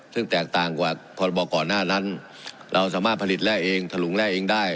ซึ่งแตกต่างกว่าพรบก่อนหน้านั้นเราสามารถผลิตแร่เองถลุงแร่เองได้